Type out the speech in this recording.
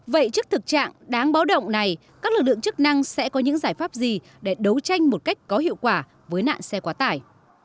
vậy trước thực trạng đáng báo động này các lực lượng chức năng sẽ có những giải pháp gì để đấu tranh một cách có hiệu quả với nạn xe quá tải